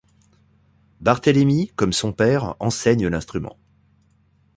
Barthélemy, comme son père, enseigne l'instrument.